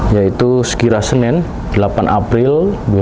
yaitu sekira senin delapan april dua ribu dua puluh